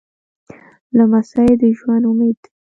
لمسی د ژوند امید دی.